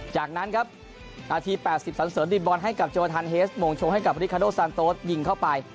จากนั้นครับนาที๘๐สันเสริมดิบบอลให้กับโจทันเฮสมงชงให้กับริคาโดซานโต๊ดยิงเข้าไป